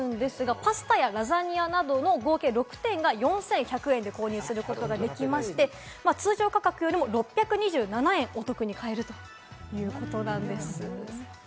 いろいろあるんですが、パスタやラザニアなどの合計６点が４１００円で購入することができまして、通常価格よりも６２７円お得に買えるということです。